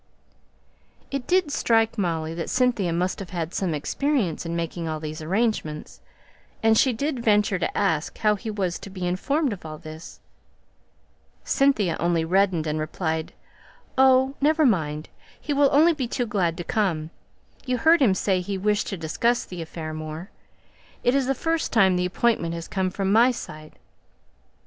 It did strike Molly that Cynthia must have had some experience in making all these arrangements; and she ventured to ask how he was to be informed of all this. Cynthia only reddened and replied, "Oh! never mind! He will only be too glad to come; you heard him say he wished to discuss the affair more; it is the first time the appointment has come from my side.